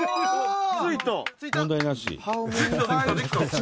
「ついた」問題なし。